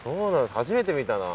初めて見たな。